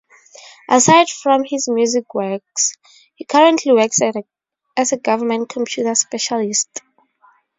Aside from his music works, he currently works as a government computer specialist.